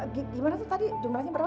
gimana sih tadi jumlahnya berapa